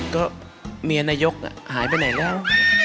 ก็เมียนายกหายไปไหนแล้ว